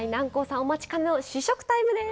お待ちかねの試食タイムです。